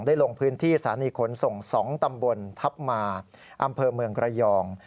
ลงพื้นที่สถานีขนส่ง๒ตำบลทัพมาอำเภอเมืองระยอง